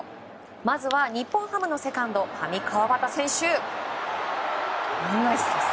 まずは日本ハムのセカンド上川畑選手。